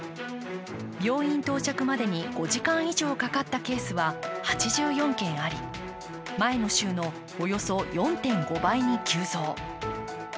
病院到着までに５時間以上かかったケースは８４件あり、前の週のおよそ４．５倍に急増。